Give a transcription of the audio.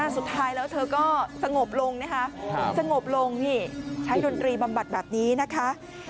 สุดท้ายแล้วเธอก็สงบลงนะคะสงบลงนี่ใช้ดนตรีบำบัดแบบนี้นะคะ